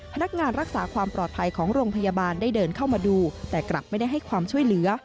พนักงานรักษาความปลอดภัยของโรงพยาบาลได้เดินเข้ามาดูแต่กลับไม่ได้ให้ความช่วยเหลือ